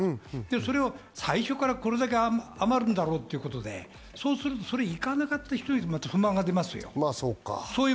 それを最初からこれだけ余るんだろうということですると行かなかった人にまた不満が出てきますよ。